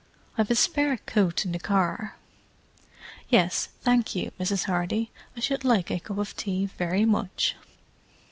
I've a spare coat in the car. Yes, thank you, Mrs. Hardy, I should like a cup of tea very much."